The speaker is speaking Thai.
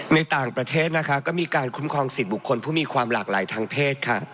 ในต่างประเทศนะคะก็มีการคุ้มครองสิทธิ์บุคคลผู้มีความหลากหลายทางเพศค่ะ